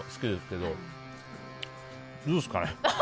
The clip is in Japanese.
どうですかね。